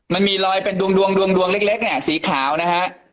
มันมีรอยเป็นดวงเล็กสีขาวนะฮะ